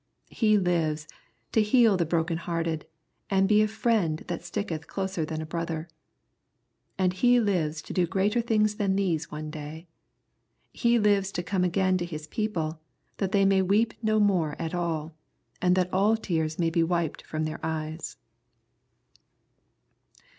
He lives, to heal the bro ken hearted, and be a Friend that sticketh closer than a brother. And He lives to do greater things than these one day. He lives to come again to His people, that tbey may weep no more at all, and that all tears may be wiped from their eyes.